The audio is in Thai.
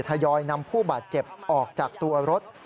ยอยนำผู้บาดเจ็บออกจากตัวรถ